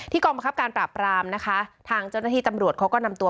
กองบังคับการปราบปรามนะคะทางเจ้าหน้าที่ตำรวจเขาก็นำตัว